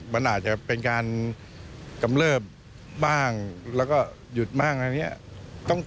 มันอาจจะเป็นการกำเลิบบ้างแล้วก็หยุดบ้างอันนี้